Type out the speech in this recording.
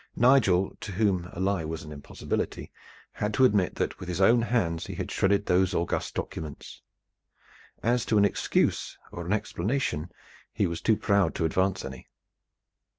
Nigel, to whom a lie was an impossibility, had to admit that with his own hands he had shredded those august documents. As to an excuse or an explanation, he was too proud to advance any.